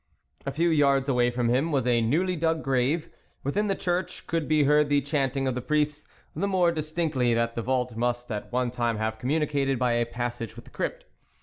A few yards away from him was a newly dug grave ; within the church could be heard the chanting of the priests, the more dis tinctly that the vault must at one time have communicated by a passage with the crypt.